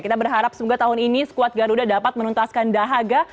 kita berharap semoga tahun ini skuad garuda dapat menuntaskan dahaga